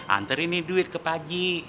anterin nih duit ke pak ji